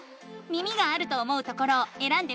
耳があると思うところをえらんでみて。